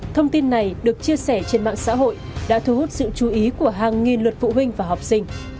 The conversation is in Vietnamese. thông tin này được chia sẻ trên mạng xã hội đã thu hút sự chú ý của hàng nghìn lượt phụ huynh và học sinh